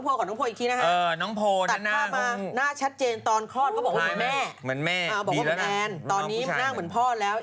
อ้าวบอกว่าเป็นแอนตอนนี้นั่งเหมือนพ่อแล้ว